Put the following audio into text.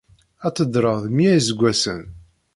Ad teddreḍ mya iseggasen.